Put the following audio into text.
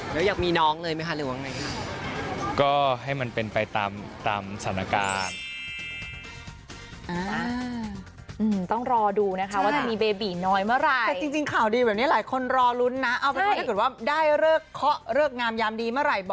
แล้วอยากมีน้องเลยไหมคะหรือว่าอย่างไรครับ